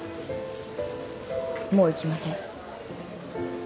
もう行きません。